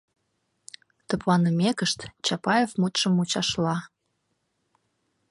- тыпланымекышт, Чапаев мутшым мучашла.